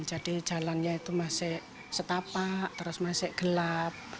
jalannya itu masih setapak terus masih gelap